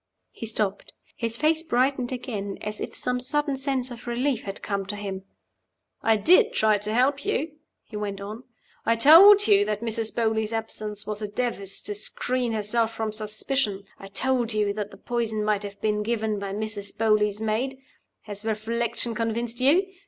He stopped. His face brightened again, as if some sudden sense of relief had come to him. "I did try to help you," he went on. "I told you that Mrs. Beauly's absence was a device to screen herself from suspicion; I told you that the poison might have been given by Mrs. Beauly's maid. Has reflection convinced you?